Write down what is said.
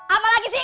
apa lagi sih